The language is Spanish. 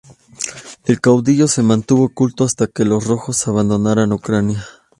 El caudillo se mantuvo oculto hasta que los rojos abandonaron Ucrania.